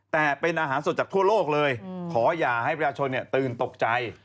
แต่เป็นอาหารสดจากทั่วโลกเลยขออย่าให้ประชาชนตื่นตกใจ